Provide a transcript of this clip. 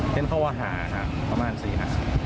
เพื่อนเขาวาหาค่ะสี่หา